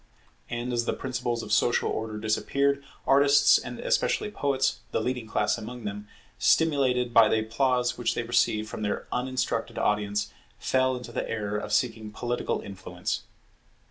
And as the principles of social order disappeared, artists and especially poets, the leading class among them, stimulated by the applause which they received from their uninstructed audience, fell into the error of seeking political influence.